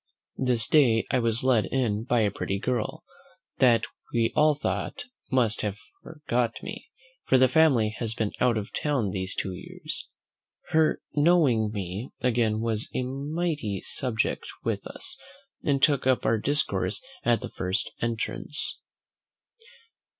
This day I was led in by a pretty girl, that we all thought must have forgot me, for the family has been out of town these two years. Her knowing me again was a mighty subject with us, and took up our discourse at the first entrance.